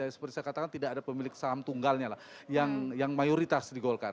seperti saya katakan tidak ada pemilik saham tunggalnya lah yang mayoritas di golkar